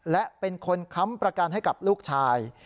และเป็นคนค้ำประกันให้กับลูกชาย